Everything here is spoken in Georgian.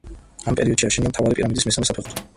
ამ პერიოდში აშენდა მთავარი პირამიდის მესამე საფეხური.